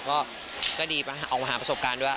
ก็ดีออกมาหาประสบการณ์ด้วย